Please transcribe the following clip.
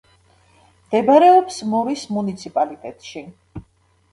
მდებარეობს მორის მუნიციპალიტეტში.